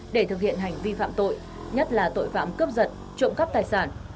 để thực hiện hành vi phạm tội nhất là tội phạm cướp giật trộm cắp tài sản